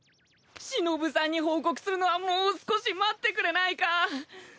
しのぶさんに報告するのはもう少し待ってくれないか？